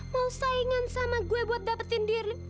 mau saingan sama saya untuk mendapatkan dearly